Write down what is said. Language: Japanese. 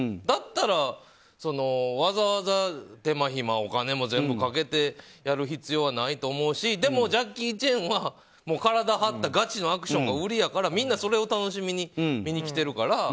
だったら、わざわざ手間暇お金もかけてやる必要はないと思うしでも、ジャッキー・チェンは体を張ったガチのアクションが売りやからみんなそれを楽しみに見に来てるから。